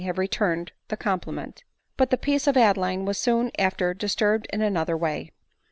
have returned the compliment. But the peace of Adeline was soon after disturbed in another way.